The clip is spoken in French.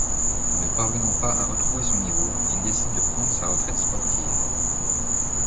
Ne parvenant pas à retrouver son niveau, il décide de prendre sa retraite sportive.